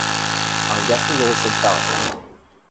Un garçon de recette paraît.